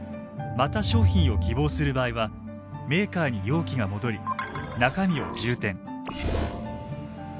また商品を希望する場合はメーカーに容器が戻り中身を充填。